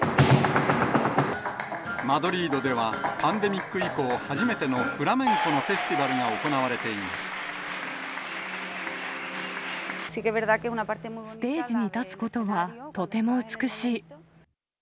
マドリードでは、パンデミック以降、初めてのフラメンコのフェスティバルが行われステージに立つことは、とても美しい。